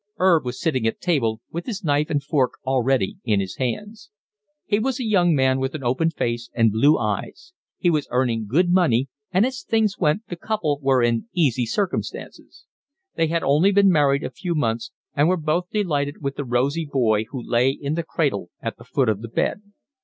'Erb was sitting at table with his knife and fork already in his hands. He was a young man, with an open face and blue eyes. He was earning good money, and as things went the couple were in easy circumstances. They had only been married a few months, and were both delighted with the rosy boy who lay in the cradle at the foot of the bed.